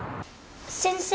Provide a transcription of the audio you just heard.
先生